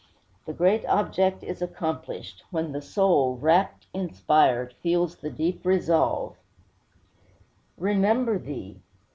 The great object is accomplished, when the soul, rapt, inspired, feels the deep resolve: "Remember Thee!